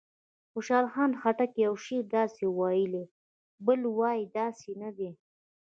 خوشحال خټک یو شعر داسې ویلی او بل وایي داسې نه دی.